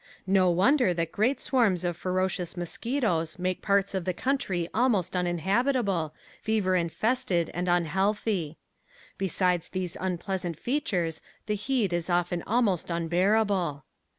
No wonder that great swarms of ferocious mosquitoes make parts of the country almost uninhabitable, fever infested and unhealthy. Besides these unpleasant features the heat is often almost unbearable.